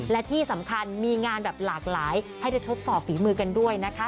และที่สำคัญมีงานแบบหลากหลายให้ได้ทดสอบฝีมือกันด้วยนะคะ